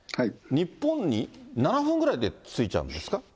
日本に７分ぐらいで着いちゃうんですか？